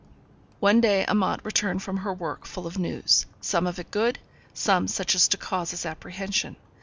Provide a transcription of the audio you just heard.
One day Amante returned from her work, full of news some of it good, some such as to cause us apprehension.